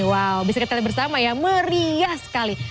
wow bisa kita lihat bersama ya meriah sekali